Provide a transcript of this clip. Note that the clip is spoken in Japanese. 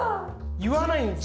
言わないんですね。